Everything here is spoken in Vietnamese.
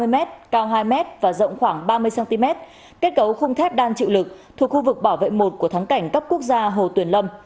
năm mươi m cao hai m và rộng khoảng ba mươi cm kết cấu khung thép đan chịu lực thuộc khu vực bảo vệ một của thắng cảnh cấp quốc gia hồ tuyền lâm